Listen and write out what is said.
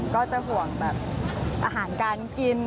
ก็จะห่วงแบบอาหารการกิน